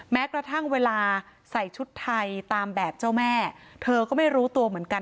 แม้กระทั่งเวลาใส่ชุดไทยตามแบบเจ้าแม่เธอก็ไม่รู้ตัวเหมือนกัน